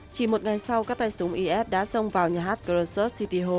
chỉ một ngày sau các tay súng is đã xông vào nhà hát corsair city hall